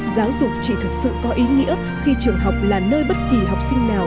giáo dục chỉ thực sự có ý nghĩa khi trường học là nơi bất kỳ học sinh nào